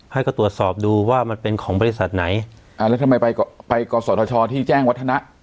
ให้ก็ตรวจสอบดูว่ามันเป็นของบริษัทไหนอ่าแล้วทำไมไปไปกศธชที่แจ้งวัฒนะ